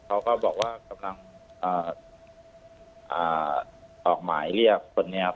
เขาก็บอกว่ากำลังออกหมายเรียกคนนี้ครับ